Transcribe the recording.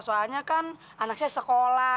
soalnya kan anak saya sekolah